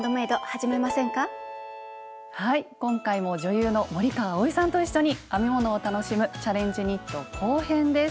はい今回も女優の森川葵さんと一緒に編み物を楽しむ「チャレンジニット」後編です。